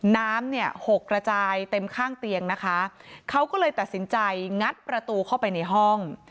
น้ำเนี่ยหกระจายเต็มข้างเตียงนะคะเขาก็เลยตัดสินใจงัดประตูเข้าไปในห้อง